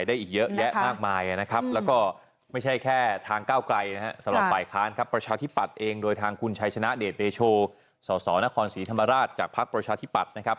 แดดเบโชว์สนครศรีธรรมราชจากพรรคประวัติธิบัตร